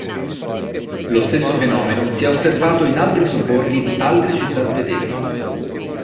Lo stesso fenomeno si è osservato in altri sobborghi di altre città svedesi.